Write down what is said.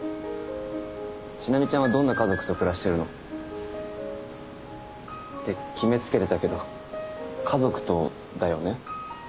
千波ちゃんはどんな家族と暮らしてるの？って決めつけてたけど家族とだよね？